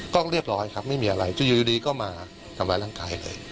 ก็เรียบร้อยครับไม่มีอะไรอยู่ดีก็มาทำร้ายร่างกายเลย